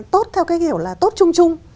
tốt theo cái hiểu là tốt chung chung